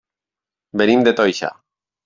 Venim de Toixa.